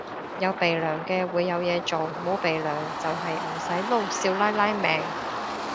有鼻樑嘅會有嘢做，冇鼻樑就係唔使撈少奶奶命